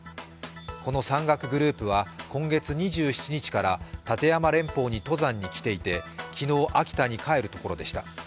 この山岳グループは今月２７日から立山連峰に来ていて昨日、秋田に帰るところでした。